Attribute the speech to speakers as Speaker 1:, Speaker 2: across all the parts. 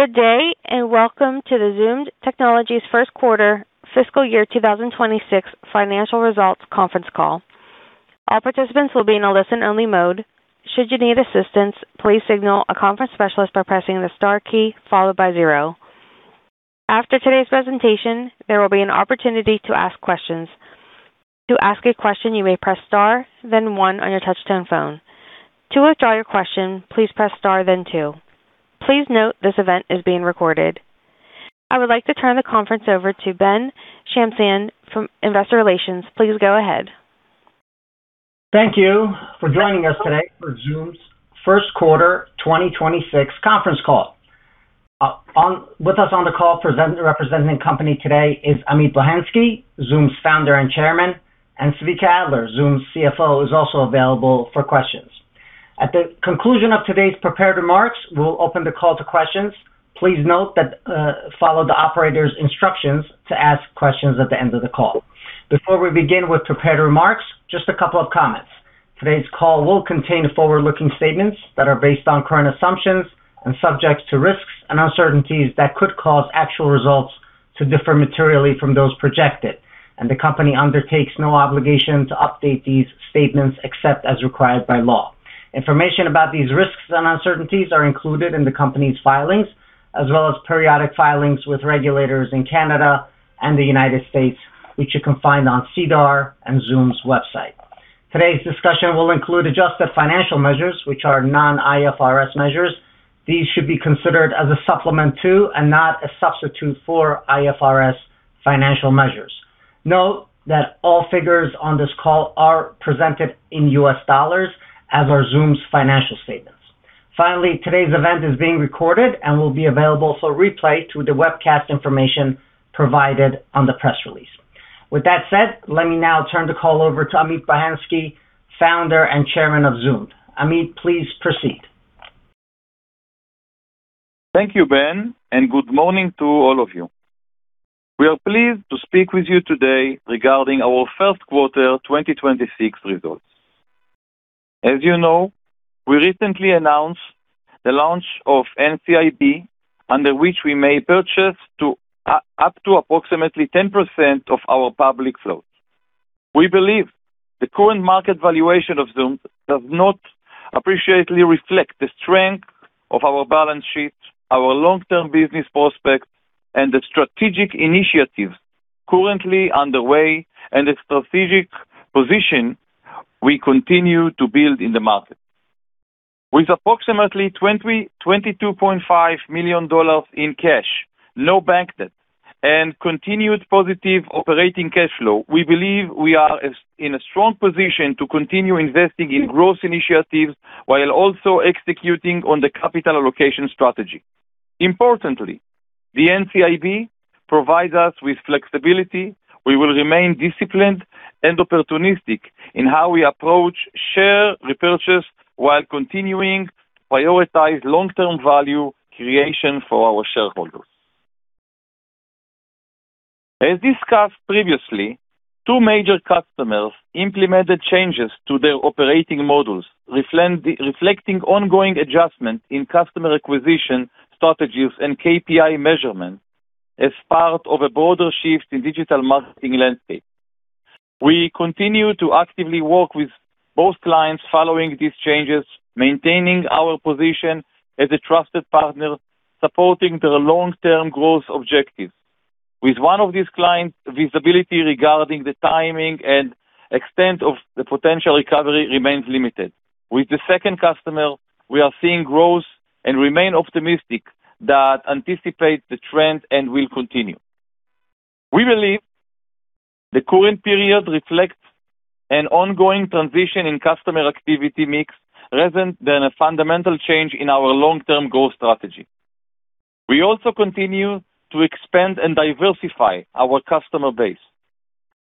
Speaker 1: Good day, welcome to the Zoomd Technologies Q1 Fiscal Year 2026 Financial Results Conference Call. I would like to turn the conference over to Ben Shamsian from Investor Relations. Please go ahead.
Speaker 2: Thank you for joining us today for Zoomd's Q1 2026 Conference Call. With us on the call representing the company today is Amit Bohensky, Zoomd's Founder and Chairman, and Tzvika Adler, Zoomd's CFO, who's also available for questions. At the conclusion of today's prepared remarks, we'll open the call to questions. Please note that follow the operator's instructions to ask questions at the end of the call. Before we begin with prepared remarks, just a couple of comments. Today's call will contain forward-looking statements that are based on current assumptions and subject to risks and uncertainties that could cause actual results to differ materially from those projected. The company undertakes no obligation to update these statements except as required by law. Information about these risks and uncertainties are included in the company's filings as well as periodic filings with regulators in Canada and the United States, which you can find on SEDAR and Zoomd's website. Today's discussion will include adjusted financial measures, which are non-IFRS measures. These should be considered as a supplement to and not a substitute for IFRS financial measures. Note that all figures on this call are presented in US dollars as are Zoomd's financial statements. Finally, today's event is being recorded and will be available for replay through the webcast information provided on the press release. With that said, let me now turn the call over to Amit Bohensky, Founder and Chairman of Zoomd. Amit, please proceed.
Speaker 3: Thank you, Ben, and good morning to all of you. We are pleased to speak with you today regarding our Q1 2026 results. As you know, we recently announced the launch of NCIB, under which we may purchase up to approximately 10% of our public float. We believe the current market valuation of Zoomd does not appreciably reflect the strength of our balance sheet, our long-term business prospects, and the strategic initiatives currently underway and the strategic position we continue to build in the market. With approximately $22.5 million in cash, no bank debt, and continued positive operating cash flow, we believe we are in a strong position to continue investing in growth initiatives while also executing on the capital allocation strategy. Importantly, the NCIB provides us with flexibility. We will remain disciplined and opportunistic in how we approach share repurchase while continuing to prioritize long-term value creation for our shareholders. As discussed previously, two major customers implemented changes to their operating models, reflecting ongoing adjustment in customer acquisition strategies and KPI measurement as part of a broader shift in digital marketing landscape. We continue to actively work with both clients following these changes, maintaining our position as a trusted partner, supporting their long-term growth objectives. With one of these clients, visibility regarding the timing and extent of the potential recovery remains limited. With the second customer, we are seeing growth and remain optimistic that anticipates the trend and will continue. We believe the current period reflects an ongoing transition in customer activity mix rather than a fundamental change in our long-term growth strategy. We also continue to expand and diversify our customer base.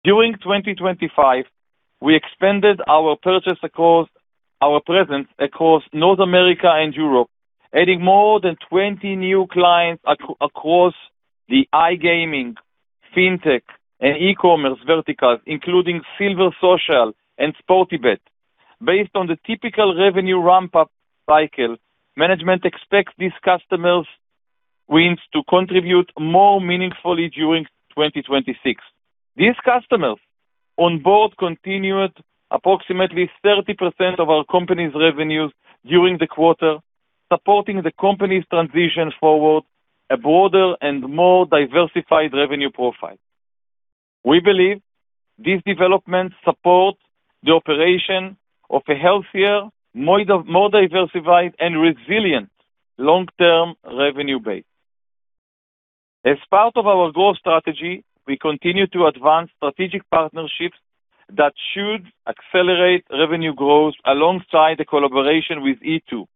Speaker 3: During 2025, we expanded our presence across North America and Europe, adding more than 20 new clients across the iGaming, fintech, and e-commerce verticals, including Silver Social and SportyBet. Based on the typical revenue ramp-up cycle, management expects these customers' wins to contribute more meaningfully during 2026. These customers on board continued approximately 30% of our company's revenues during the quarter, supporting the company's transition toward a broader and more diversified revenue profile. We believe these developments support the operation of a healthier, more diversified, and resilient long-term revenue base. As part of our growth strategy, we continue to advance strategic partnerships that should accelerate revenue growth alongside the collaboration with E2.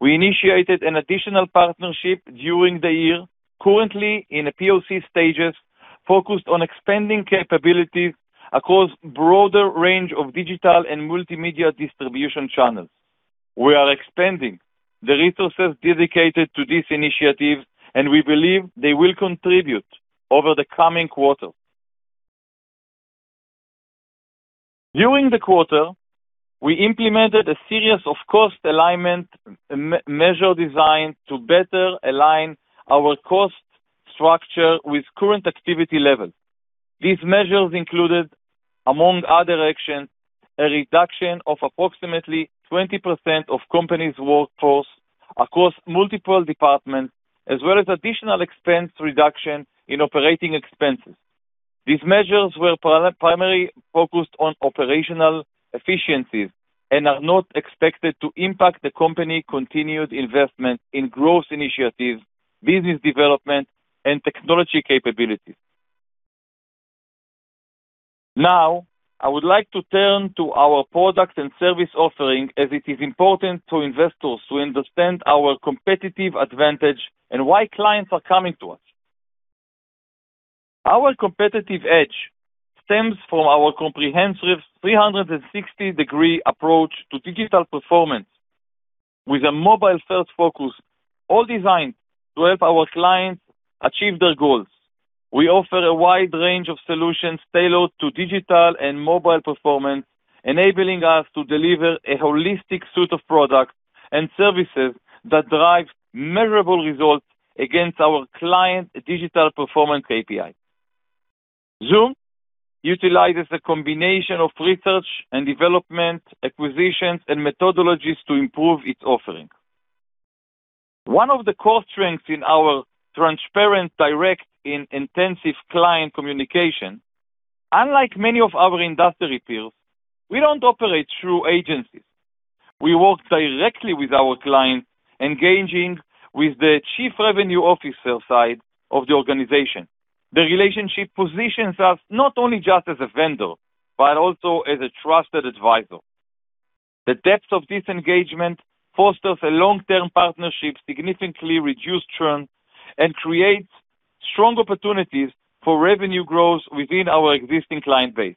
Speaker 3: We initiated an additional partnership during the year, currently in the POC stages, focused on expanding capabilities across a broader range of digital and multimedia distribution channels. We are expanding the resources dedicated to this initiative, and we believe they will contribute over the coming quarters. During the quarter, we implemented a series of cost alignment measures designed to better align our cost structure with current activity levels. These measures included, among other actions, a reduction of approximately 20% of company's workforce across multiple departments, as well as additional expense reduction in operating expenses. These measures were primarily focused on operational efficiencies and are not expected to impact the company's continued investment in growth initiatives, business development, and technology capabilities. Now, I would like to turn to our products and service offering as it is important for investors to understand our competitive advantage and why clients are coming to us. Our competitive edge stems from our comprehensive 360-degree approach to digital performance with a mobile-first focus, all designed to help our clients achieve their goals. We offer a wide range of solutions tailored to digital and mobile performance, enabling us to deliver a holistic suite of products and services that drive measurable results against our client's digital performance KPI. Zoomd utilizes a combination of research and development, acquisitions, and methodologies to improve its offering. One of the core strengths in our transparent, direct, and intensive client communication, unlike many of our industry peers, we don't operate through agencies. We work directly with our clients, engaging with the chief revenue officer side of the organization. The relationship positions us not only just as a vendor, but also as a trusted advisor. The depth of this engagement fosters a long-term partnership, significantly reduces churn, and creates strong opportunities for revenue growth within our existing client base.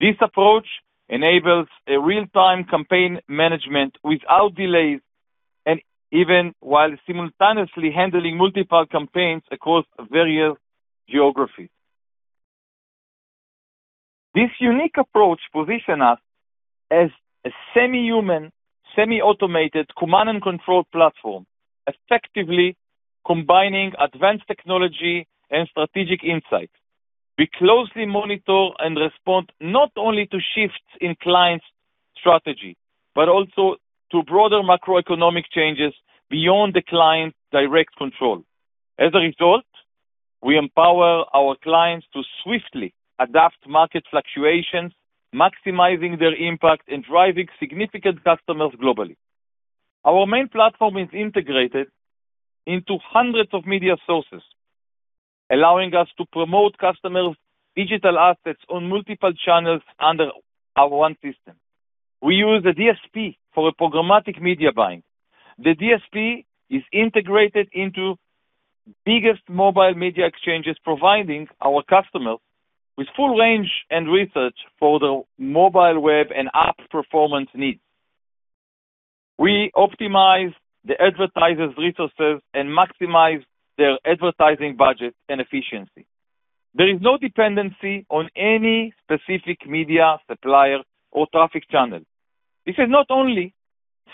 Speaker 3: This approach enables real-time campaign management without delays and even while simultaneously handling multiple campaigns across various geographies. This unique approach positions us as a semi-human, semi-automated command and control platform, effectively combining advanced technology and strategic insight. We closely monitor and respond not only to shifts in clients' strategy, but also to broader macroeconomic changes beyond the client's direct control. As a result, we empower our clients to swiftly adapt to market fluctuations, maximizing their impact and driving significant customers globally. Our main platform is integrated into hundreds of media sources, allowing us to promote customers' digital assets on multiple channels under our one system. We use a DSP for programmatic media buying. The DSP is integrated into biggest mobile media exchanges, providing our customers with full range and research for their mobile web and app performance needs. We optimize the advertisers' resources and maximize their advertising budget and efficiency. There is no dependency on any specific media supplier or traffic channel. This not only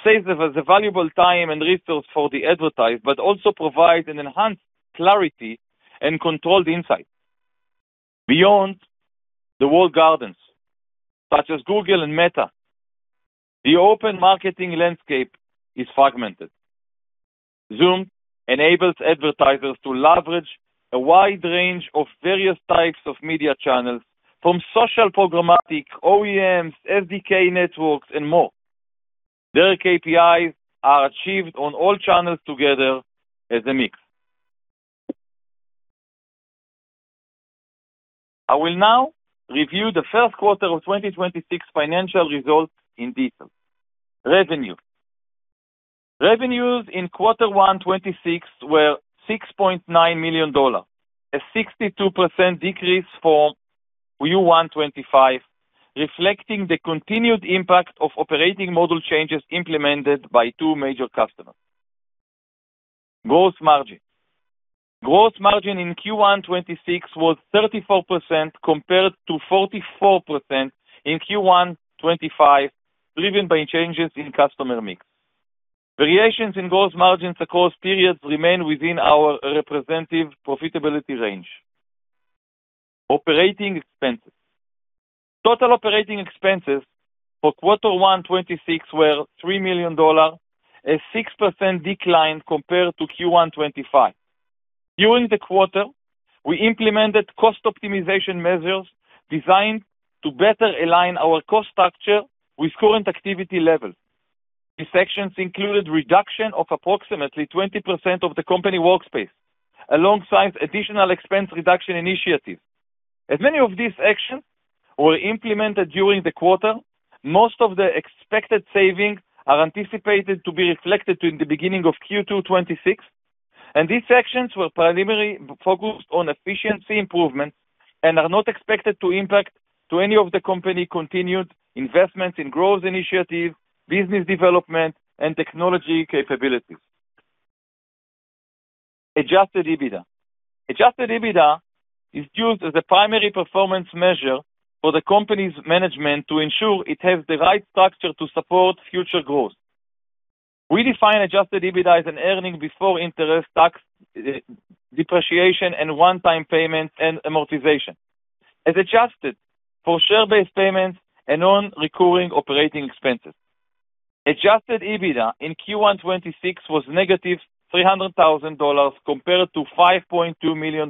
Speaker 3: saves us valuable time and resource for the advertiser, but also provides an enhanced clarity and controlled insight. Beyond the walled gardens, such as Google and Meta, the open marketing landscape is fragmented. Zoomd enables advertisers to leverage a wide range of various types of media channels, from social programmatic, OEMs, SDK networks, and more. Their KPIs are achieved on all channels together as a mix. I will now review the Q1 of 2026 financial results in detail. Revenue. Revenues in Q1, 2026 were $6.9 million, a 62% decrease for Q1 2025, reflecting the continued impact of operating model changes implemented by two major customers. Gross margin. Gross margin in Q1 2026 was 34% compared to 44% in Q1 2025, driven by changes in customer mix. Variations in gross margins across periods remain within our representative profitability range. Operating expenses. Total operating expenses for Q1 2026 were $3 million, a 6% decline compared to Q1 2025. During the quarter, we implemented cost optimization measures designed to better align our cost structure with current activity levels. These actions included reduction of approximately 20% of the company workforce, alongside additional expense reduction initiatives. As many of these actions were implemented during the quarter, most of the expected savings are anticipated to be reflected in the beginning of Q2 2026. These actions were primarily focused on efficiency improvements and are not expected to impact to any of the company's continued investments in growth initiatives, business development, and technology capabilities. Adjusted EBITDA. Adjusted EBITDA is used as a primary performance measure for the company's management to ensure it has the right structure to support future growth. We define adjusted EBITDA as earnings before interest, taxes, depreciation, and one-time payments and amortization. As adjusted for share-based payments and non-recurring operating expenses. Adjusted EBITDA in Q1 2026 was negative $300,000 compared to $5.2 million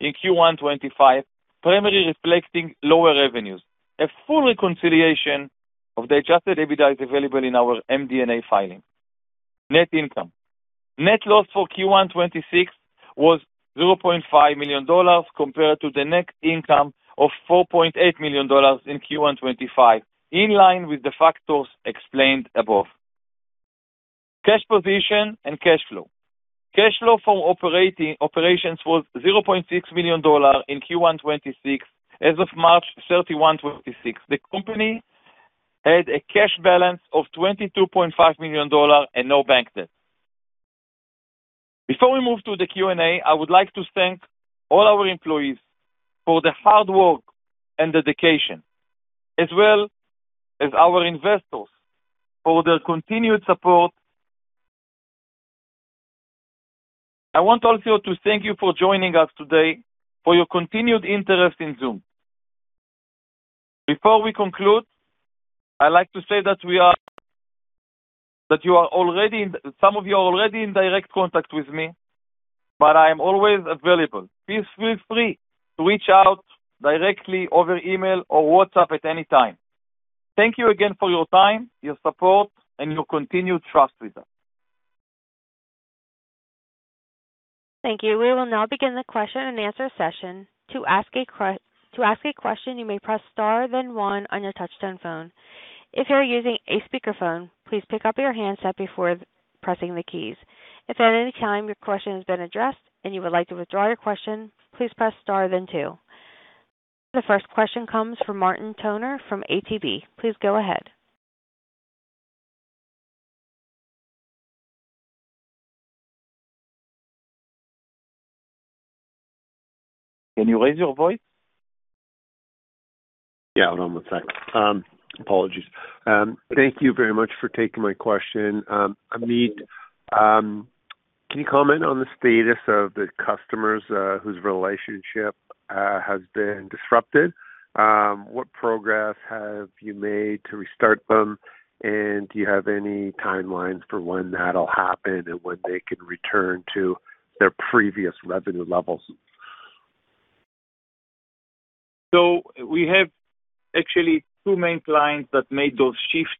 Speaker 3: in Q1 2025, primarily reflecting lower revenues. A full reconciliation of the adjusted EBITDA is available in our MD&A filing. Net income. Net loss for Q1 2026 was $0.5 million compared to the net income of $4.8 million in Q1 2025, in line with the factors explained above. Cash position and cash flow. Cash flow from operations was $0.6 million in Q1 2026. As of March 31st, 2026, the company had a cash balance of $22.5 million and no bank debt. Before we move to the Q&A, I would like to thank all our employees for their hard work and dedication as well as our investors for their continued support. I want also to thank you for joining us today, for your continued interest in Zoomd. Before we conclude, I like to say that some of you are already in direct contact with me, I am always available. Please feel free to reach out directly over email or WhatsApp at any time. Thank you again for your time, your support, and your continued trust with us.
Speaker 1: Thank you. We will now begin the question-and-answer session. To ask a question, you may press *1 on your touchtone phone. If you are using a speakerphone, please pick up your handset before pressing the keys. If at any time your question has been addressed and you would like to withdraw your question, please press *2. The first question comes from Martin Toner from ATB Financial. Please go ahead.
Speaker 3: Can you raise your voice?
Speaker 4: Yeah, hold on one sec. Apologies. Thank you very much for taking my question. Amit, can you comment on the status of the customers whose relationship has been disrupted? What progress have you made to restart them, and do you have any timelines for when that'll happen and when they can return to their previous revenue levels?
Speaker 3: We have actually two main clients that made those shifts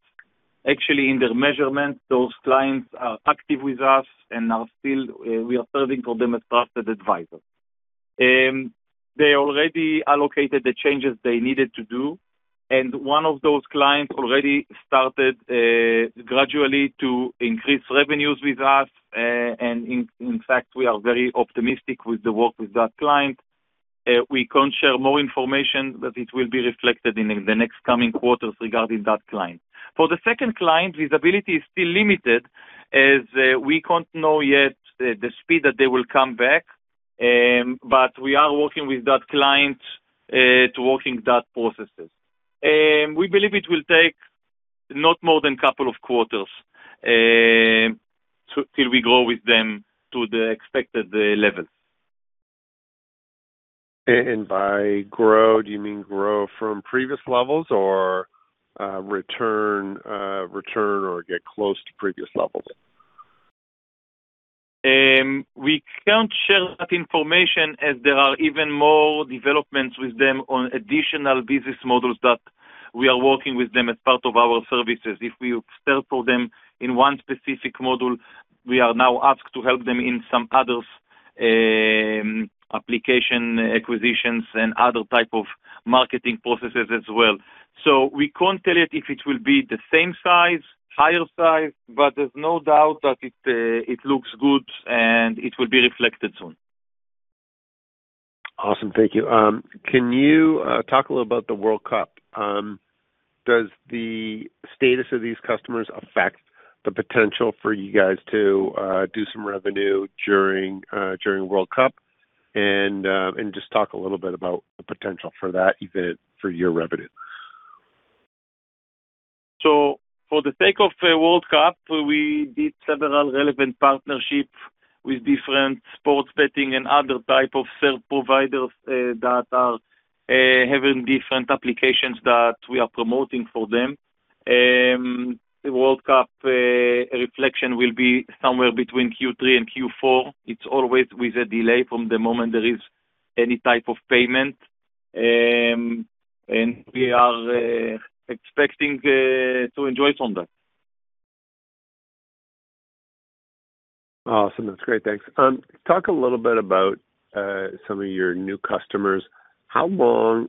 Speaker 3: actually in their measurement. Those clients are active with us and we are serving for them as trusted advisors. They already allocated the changes they needed to do. One of those clients already started gradually to increase revenues with us, and in fact, we are very optimistic with the work with that client. We can't share more information, but it will be reflected in the next coming quarters regarding that client. For the second client, visibility is still limited as we can't know yet the speed that they will come back. We are working with that client to working that processes. We believe it will take not more than couple of quarters till we grow with them to the expected levels.
Speaker 4: By grow, do you mean grow from previous levels or return or get close to previous levels?
Speaker 3: We can't share that information as there are even more developments with them on additional business models that we are working with them as part of our services. If we upsell for them in one specific model, we are now asked to help them in some other application acquisitions and other type of marketing processes as well. We can't tell yet if it will be the same size, higher size, but there's no doubt that it looks good, and it will be reflected soon.
Speaker 4: Awesome. Thank you. Can you talk a little about the World Cup? Does the status of these customers affect the potential for you guys to do some revenue during World Cup? Just talk a little bit about the potential for that, even for your revenue.
Speaker 3: For the sake of World Cup, we did several relevant partnership with different sports betting and other type of sell providers that are having different applications that we are promoting for them. World Cup reflection will be somewhere between Q3 and Q4. It's always with a delay from the moment there is any type of payment, and we are expecting to enjoy from that.
Speaker 4: Awesome. That's great. Thanks. Talk a little bit about some of your new customers. How long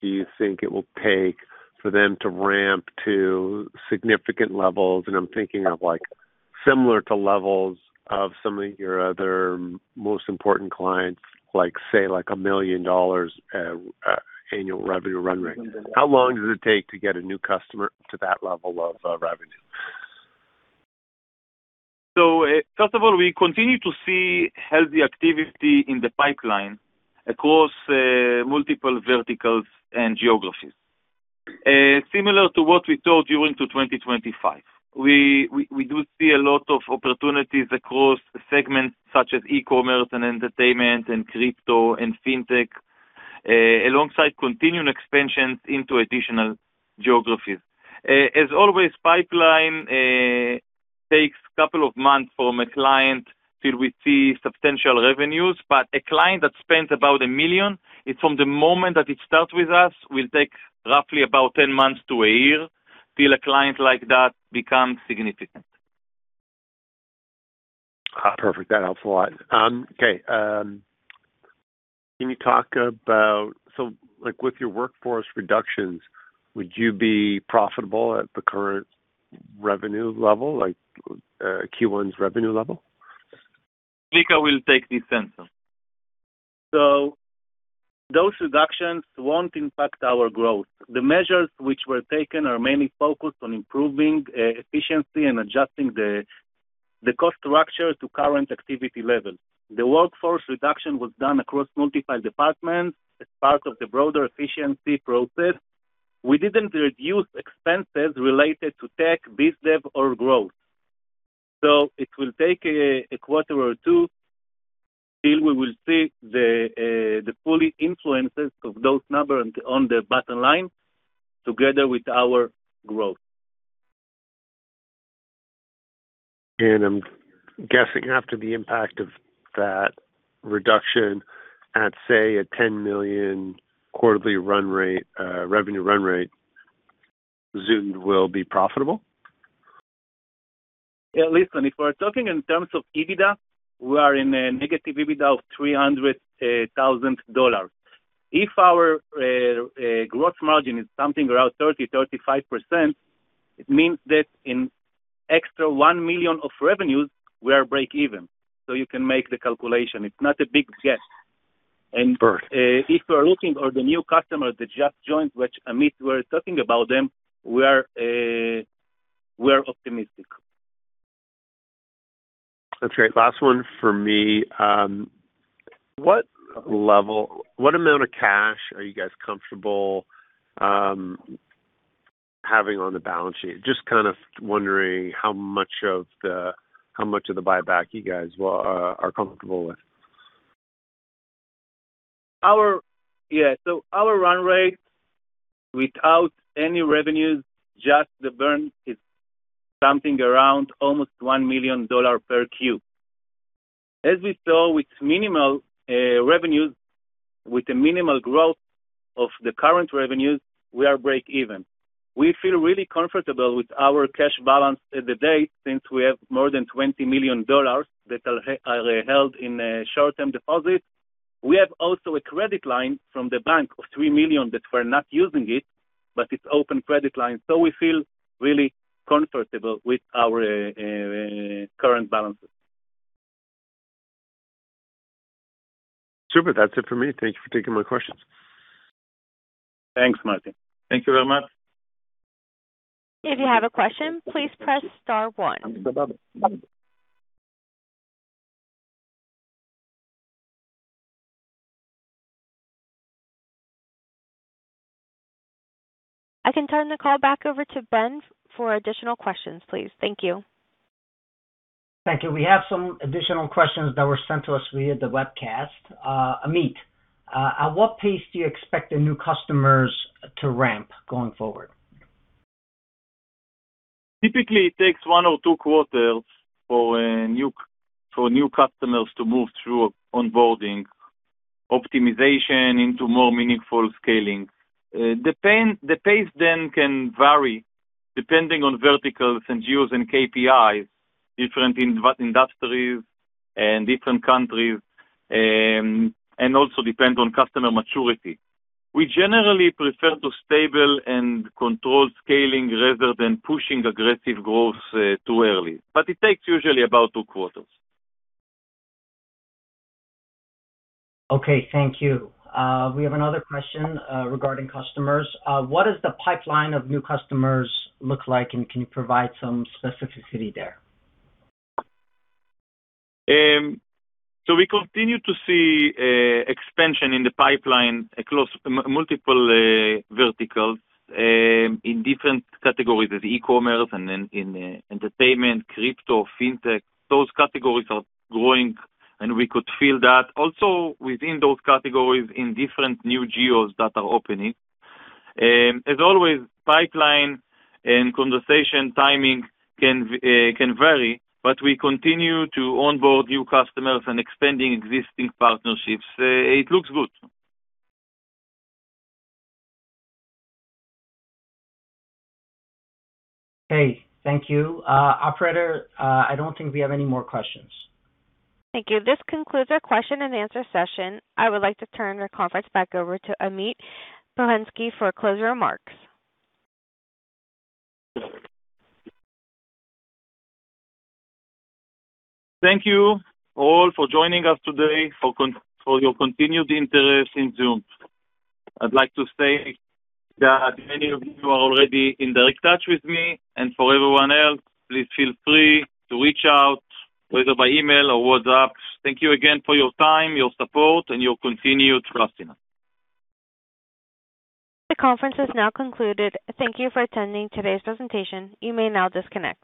Speaker 4: do you think it will take for them to ramp to significant levels? I'm thinking of similar to levels of some of your other most important clients, say, like a $1 million annual revenue run rate. How long does it take to get a new customer to that level of revenue?
Speaker 3: First of all, we continue to see healthy activity in the pipeline across multiple verticals and geographies. Similar to what we told you in 2025, we do see a lot of opportunities across segments such as e-commerce and entertainment and crypto and fintech, alongside continued expansions into additional geographies. As always, pipeline takes a couple of months from a client till we see substantial revenues, but a client that spends about $1 million, from the moment that it starts with us, will take roughly about 10 months to a year till a client like that becomes significant.
Speaker 4: Perfect. That helps a lot. Okay. Can you talk about, so with your workforce reductions, would you be profitable at the current revenue level, like Q1's revenue level?
Speaker 3: Tzvika will take this answer.
Speaker 5: Those reductions won't impact our growth. The measures which were taken are mainly focused on improving efficiency and adjusting the cost structure to current activity levels. The workforce reduction was done across multiple departments as part of the broader efficiency process. We didn't reduce expenses related to tech, biz dev, or growth. It will take a quarter or two till we will see the full influences of those numbers on the bottom line together with our growth.
Speaker 4: I'm guessing after the impact of that reduction at, say, a $10 million quarterly revenue run rate, Zoomd will be profitable?
Speaker 5: Listen, if we're talking in terms of EBITDA, we are in a negative EBITDA of $300,000. If our growth margin is something around 30%, 35%, it means that an extra $1 million of revenues, we are break even. You can make the calculation. It's not a big guess.
Speaker 4: Perfect.
Speaker 5: If we're looking at the new customers that just joined, which Amit was talking about them, we're optimistic.
Speaker 4: That's great. Last one for me. What amount of cash are you guys comfortable having on the balance sheet? Just kind of wondering how much of the buyback you guys are comfortable with.
Speaker 5: Our run rate without any revenues, just the burn, is something around almost $1 million per quarter. As we saw with minimal revenues, with the minimal growth of the current revenues, we are break even. We feel really comfortable with our cash balance at the date since we have more than $20 million that are held in a short-term deposit. We have also a credit line from the bank of $3 million that we're not using, it's open credit line. We feel really comfortable with our current balances.
Speaker 4: Super. That's it for me. Thank you for taking my questions.
Speaker 3: Thanks, Martin.
Speaker 5: Thank you very much.
Speaker 1: If you have a question, please press *1. I can turn the call back over to Ben for additional questions, please. Thank you.
Speaker 2: Thank you. We have some additional questions that were sent to us via the webcast. Amit, at what pace do you expect the new customers to ramp going forward?
Speaker 3: Typically, it takes one or two quarters for new customers to move through onboarding, optimization, into more meaningful scaling. The pace then can vary depending on verticals and geos and KPIs, different industries and different countries, and also depend on customer maturity. We generally prefer to stable and control scaling rather than pushing aggressive growth too early, but it takes usually about two quarters.
Speaker 2: Okay, thank you. We have another question regarding customers. What does the pipeline of new customers look like, and can you provide some specificity there?
Speaker 3: We continue to see expansion in the pipeline across multiple verticals in different categories as e-commerce and in entertainment, crypto, fintech. Those categories are growing, and we could feel that also within those categories in different new geos that are opening. As always, pipeline and conversation timing can vary, but we continue to onboard new customers and expanding existing partnerships. It looks good.
Speaker 2: Okay, thank you. Operator, I don't think we have any more questions.
Speaker 1: Thank you. This concludes our question-and-answer session. I would like to turn the conference back over to Amit Bohensky for closing remarks.
Speaker 3: Thank you all for joining us today, for your continued interest in Zoomd. I'd like to say that many of you are already in direct touch with me, and for everyone else, please feel free to reach out, whether by email or WhatsApp. Thank you again for your time, your support, and your continued trust in us.
Speaker 1: The conference is now concluded. Thank you for attending today's presentation. You may now disconnect.